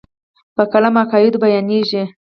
په قلم عقاید بیانېږي.